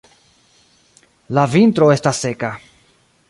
La vintro estas seka.